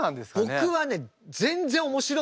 僕はねえ！